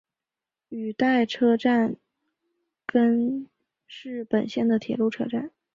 羽带车站根室本线的铁路车站。